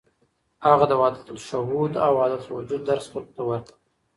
هغه د وحدت الشهود او وحدت الوجود درس خلکو ته ورکړ.